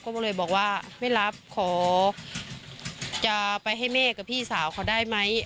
ก็เลยบอกว่าไม่รับขอจะไปให้แม่กับพี่สาวเขาได้ไหม